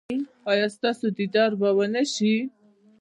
ایا ستاسو دیدار به و نه شي؟